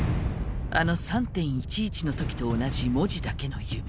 あの３．１１のときと同じ文字だけの夢。